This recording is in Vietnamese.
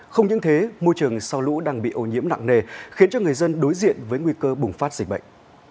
không những thế môi trường sau lũ đang bị ô nhiễm nặng nề khiến cho người dân đối diện với nguy cơ bùng phát dịch bệnh